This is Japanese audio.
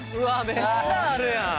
めっちゃあるやん！